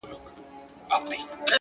پرمختګ د کوچنیو بدلونونو ټولګه ده,